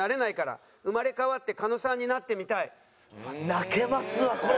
泣けますわこれ。